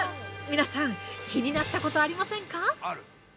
皆さん、気になったことはありませんか。